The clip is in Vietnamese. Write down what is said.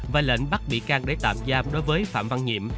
và lệnh bắt bị can để tạm giam đối với phạm văn nhiệm